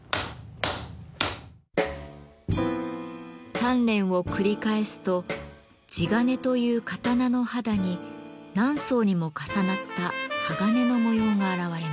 鍛錬を繰り返すと地鉄という刀の肌に何層にも重なった鋼の模様が現れます。